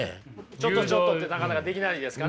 「ちょっとちょっと」ってなかなかできないですかね。